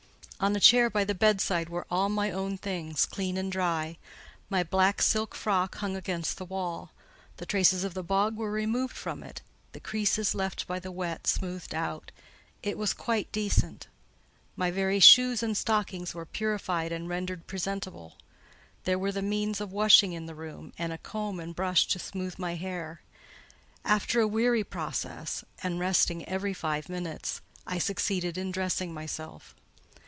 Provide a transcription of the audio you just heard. On a chair by the bedside were all my own things, clean and dry. My black silk frock hung against the wall. The traces of the bog were removed from it; the creases left by the wet smoothed out: it was quite decent. My very shoes and stockings were purified and rendered presentable. There were the means of washing in the room, and a comb and brush to smooth my hair. After a weary process, and resting every five minutes, I succeeded in dressing myself.